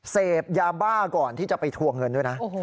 เสพยาบ้าก่อนที่จะไปทวงเงินด้วยนะ